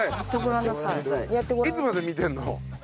いつまで見てるの？